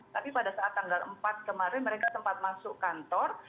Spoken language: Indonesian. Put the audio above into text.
tapi pada saat tanggal empat kemarin mereka sempat masuk kantor